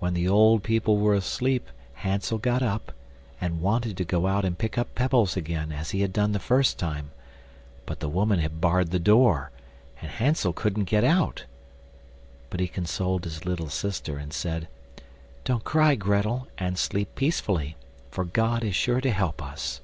When the old people were asleep Hansel got up, and wanted to go out and pick up pebbles again, as he had done the first time; but the woman had barred the door, and Hansel couldn't get out. But he consoled his little sister, and said: "Don't cry, Grettel, and sleep peacefully, for God is sure to help us."